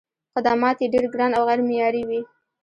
خدمات یې ډېر ګران او غیر معیاري وي.